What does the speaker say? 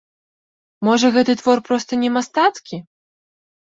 Можа гэты твор проста не мастацкі?